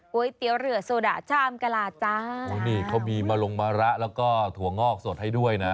ก๋วยเตี๋ยวเรือโซดะชามกะลาจ้าโอ้นี่เขามีมะลงมะระแล้วก็ถั่วงอกสดให้ด้วยนะ